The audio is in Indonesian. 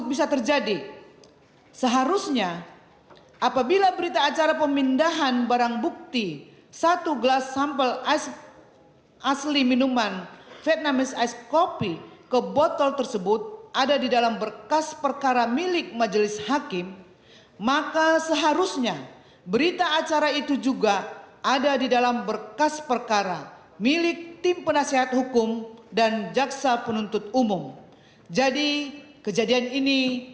bahwa kemudian tim penasihat hukum melihat isi berita acara pemindahan barang bukti satu gelas sampel asli minuman vietnamese iced coffee ke dalam botol yang ada di dalam berkes perkara milik majelis hakim